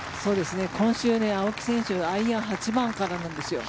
今週、青木選手はアイアンが８番からなんですよ。